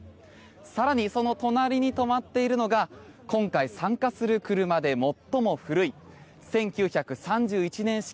更にその隣に止まっているのが今回、参加する車で最も古い１９３１年式